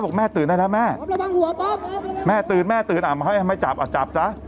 บอกแม่ตื่นได้แล้วแม่แม่ตื่นแม่ตื่นอ่ะมาให้แม่จับอ่ะจับนะ